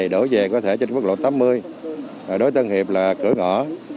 đổ về có thể trên quốc lộ tám mươi đối tân hiệp là cửa ngõ